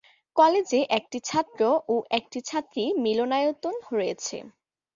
কলেজে একটি ছাত্র ও একটি ছাত্রী মিলনায়তন রয়েছে।